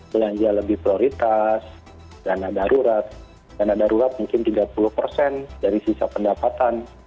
belanja lebih prioritas dana darurat dana darurat mungkin tiga puluh persen dari sisa pendapatan